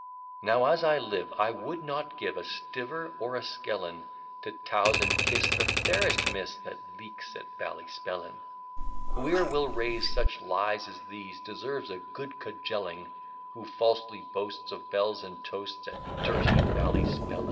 Now, as I live, I would not give A stiver or a skellin, To towse and kiss the fairest miss That leaks at Ballyspellin. Whoe'er will raise such lies as these Deserves a good cudgelling: Who falsely boasts of belles and toasts At dirty Ballyspellin.